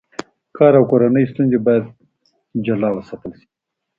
کار او کورنۍ ستونزې باید جلا وساتل شي.